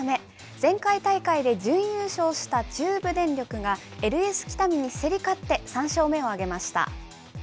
前回大会で準優勝した中部電力が、ＬＳ北見に競り勝って３勝目を挙げました。